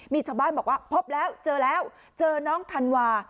มีชาวบ้านบอกว่าพบแล้วเจอแล้วเจอน้องธันวา